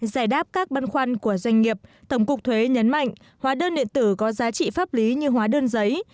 giải đáp các băn khoăn của doanh nghiệp tổng cục thuế nhấn mạnh hóa đơn điện tử có giá trị pháp lý như hóa đơn giấy